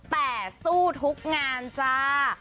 แต่สู้ทุกงานจ้า